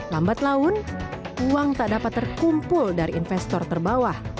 lambat laun uang tak dapat terkumpul dari investor terbawah